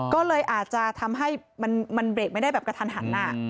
ก็เลยอาจจะทำให้มันเบรกไม่ได้แบบกระทันหัน